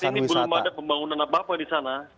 sampai saat ini belum ada pembangunan apa apa di sana